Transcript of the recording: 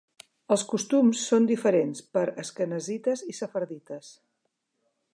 Els costums són diferents per asquenazites i sefardites.